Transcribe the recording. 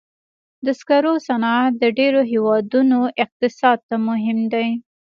د سکرو صنعت د ډېرو هېوادونو اقتصاد ته مهم دی.